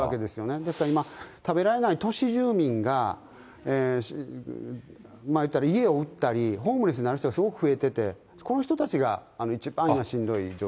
ですから、食べられない都市住民がいったら、家を売ったり、ホームレスになる人がすごく増えていて、この人たちが一番しんどい状態。